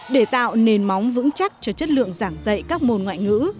để tạo nền móng vững chắc cho chất lượng giảng dạy các môn ngoại ngữ